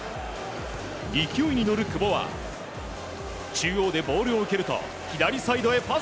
勢いに乗る久保は中央でボールを受けると左サイドへパス。